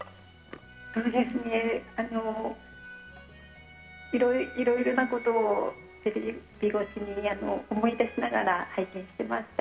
そうですねいろいろなことをテレビ越しに思い出しながら拝見していました。